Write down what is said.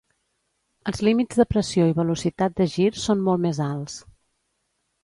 Els límits de pressió i velocitat de gir són molt més alts.